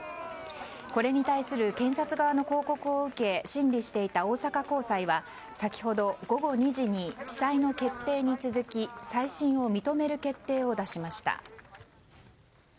これに対する検察側の抗告を受け審理していた大阪高裁は先ほど午後２時に地裁の決定に続き再審を認める決定を出しました。